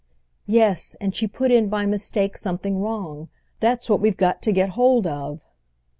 "Yes; and she put in by mistake something wrong. That's what we've got to get hold of!"